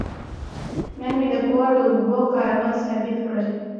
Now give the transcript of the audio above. نن مې د کور د اوبو کارول ثابت کړل.